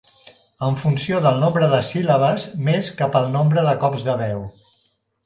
en funció del nombre de síl·labes més que pel nombre de cops de veu.